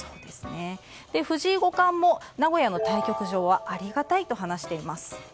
藤井五冠も名古屋の対局場はありがたいと話しています。